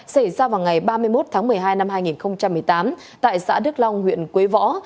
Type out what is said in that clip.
xảy ra vào ngày ba mươi một tháng một mươi hai năm hai nghìn một mươi tám tại xã đức long huyện quế võ